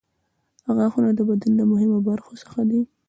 غاښونه د بدن له مهمو برخو څخه دي.